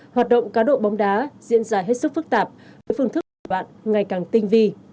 hoạt động cá độ bóng đá diễn ra hết sức phức tạp với phương thức của các bạn ngày càng tinh vi